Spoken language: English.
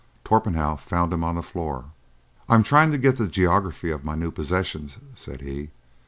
Torpenhow found him on the floor. "I'm trying to get the geography of my new possessions," said he.